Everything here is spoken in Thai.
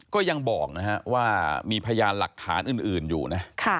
ก็ยังบอกนะฮะว่ามีพยานหลักฐานอื่นอยู่นะ